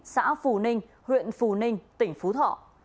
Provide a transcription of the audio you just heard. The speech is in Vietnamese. xã phù ninh huyện phù ninh tỉnh phú thọ